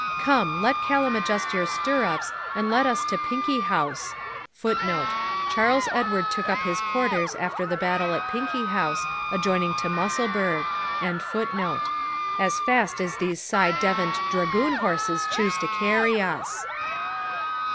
Come, let Callum adjust your stirrups and let us to Pinkie House [Footnote: Charles Edward took up his quarters after the battle at Pinkie House, adjoining to Musselburgh.] as fast as these ci devant dragoon horses choose to carry us.'